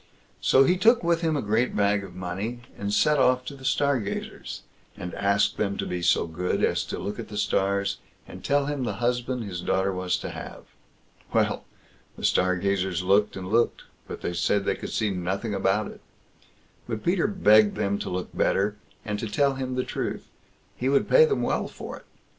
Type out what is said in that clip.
So he took with him a great bag of money, and set off to the Stargazers, and asked them to be so good as to look at the stars, and tell him the husband his daughter was to have. Well! the Stargazers looked and looked, but they said they could see nothing about it. But Peter begged them to look better, and to tell him the truth; he would pay them well for it.